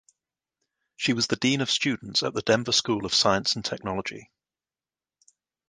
She was the dean of students at the Denver School of Science and Technology.